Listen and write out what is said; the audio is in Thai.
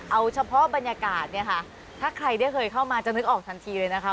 เอาเฉพาะบรรยากาศเนี่ยค่ะถ้าใครได้เคยเข้ามาจะนึกออกทันทีเลยนะคะ